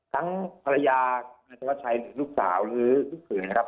ทั้งภรรยาหรือลูกสาวหรือลูกผื่นนะครับ